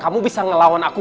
kamu bisa melawan aku